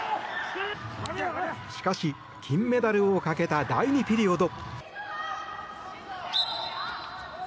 しかし、金メダルをかけた第２ピリオド。